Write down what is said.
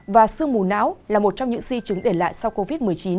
và sương mù não là một trong những di chứng để lại sau covid một mươi chín